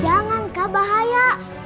jangan kak bahaya